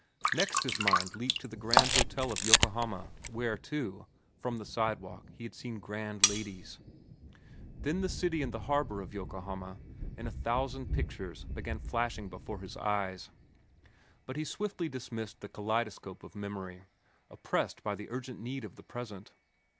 Next his mind leaped to the Grand Hotel at Yokohama, where, too, from the sidewalk, he had seen grand ladies. Then the city and the harbor of Yokohama, in a thousand pictures, began flashing before his eyes. But he swiftly dismissed the kaleidoscope of memory, oppressed by the urgent need of the present.